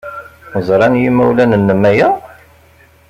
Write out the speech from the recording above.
Ẓran yimawlan-nnem aya?